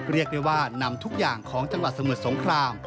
เรียกได้ว่านำทุกอย่างของจังหวัดสมุทรสงคราม